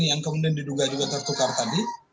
yang kemudian diduga juga tertukar tadi